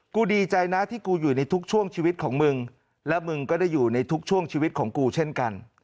กูดีใจนะที่กูอยู่ในทุกช่วงชีวิตของมึงและมึงก็ได้อยู่ในทุกช่วงชีวิตของกูเช่นกัน